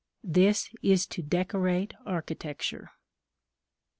This is to decorate architecture.